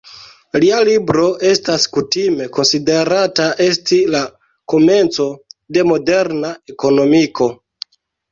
Lia libro estas kutime konsiderata esti la komenco de moderna ekonomiko.